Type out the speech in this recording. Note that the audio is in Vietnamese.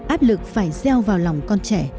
áp lực phải gieo vào lòng con trẻ